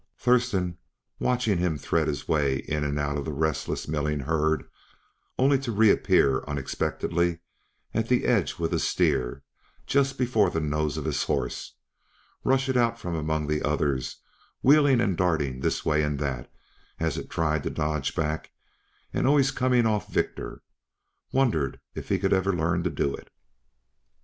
Thurston, watching him thread his way in and out of the restless, milling herd, only to reappear unexpectedly at the edge with a steer just before the nose of his horse, rush it out from among the others wheeling, darting this way and that, as it tried to dodge back, and always coming off victor, wondered if he could ever learn to do it.